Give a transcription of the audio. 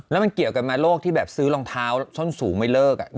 แล้วมันเกี่ยวกันไหมโรคที่แบบซื้อรองเท้าส้นสูงไม่เลิก